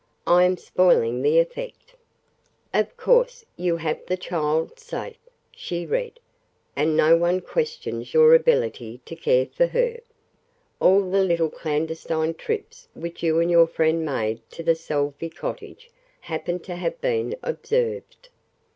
I am spoiling the effect: "'Of course you have the child safe,'" she read, "'and no one questions your ability to care for her. All the little clandestine trips which you and your friend made to the Salvey cottage happened to have been observed.'